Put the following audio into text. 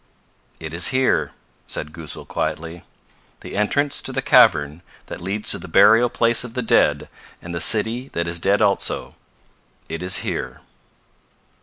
"It is here," said Goosal quietly. "The entrance to the cavern that leads to the burial place of the dead, and the city that is dead also. It is here."